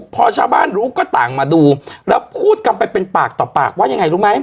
พอชาวบ้านรู้ก็ต่างมาดูแล้วพูดกันไปเป็นปากต่อปากว่ายังไงรู้ไหม